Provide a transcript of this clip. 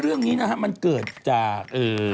เรื่องนี้นะฮะมันเกิดจาก